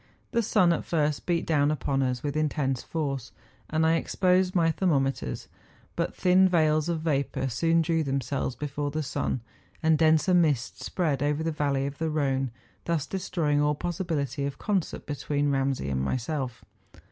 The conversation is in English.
The sun at first beat down upon us with intense force; and I exposed my thermometers; but thin veils of vapour soon drew themselves before the sun, and denser mists spread over the valley of the Rhone, thus destroying all possibility of concert between Ramsay and myself.